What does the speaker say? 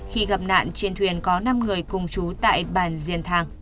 khi gặp nạn trên thuyền có năm người cùng chú tại bàn diền thàng